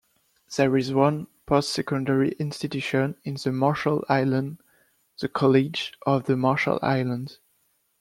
There is one post-secondary institution in the Marshall Islands-the College of the Marshall Islands.